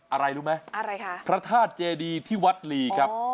อะไรรู้ไหมพระธาตุเจดีย์ที่วัดหลี